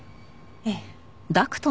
ええ。